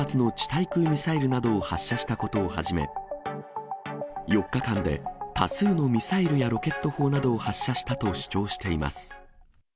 対空ミサイルなどを発射したことをはじめ、４日間で多数のミサイルやロケット砲などを発射したと主張しています。